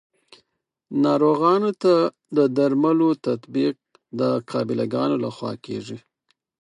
ناروغانو ته د درملو تطبیق د قابله ګانو لخوا کیږي.